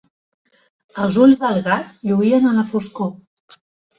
Els ulls del gat lluïen en la foscor.